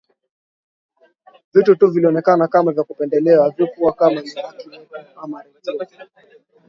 vitu tu vilionekana kama vya kupendelewa havikuwa kama ni haki yetu ama right yetu